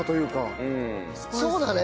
そうだね。